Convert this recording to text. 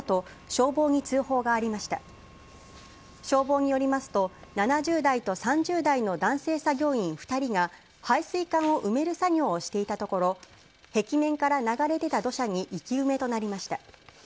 消防によりますと、７０代と３０代の男性作業員２人が排水管を埋める作業をしていたところ、壁面から流れ出た土砂に生き埋めとなりました。